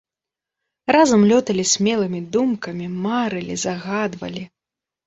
Разам лёталі смелымі думкамі, марылі, загадвалі.